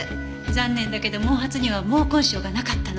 残念だけど毛髪には毛根鞘がなかったの。